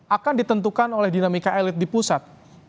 akan ditentukan oleh dinamika elit di pusat